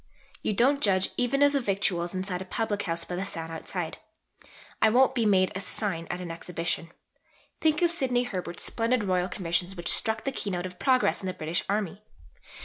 You don't judge even of the victuals inside a public house by the sign outside. I won't be made a sign at an Exhibition. Think of Sidney Herbert's splendid Royal Commissions which struck the keynote of progress in the British Army!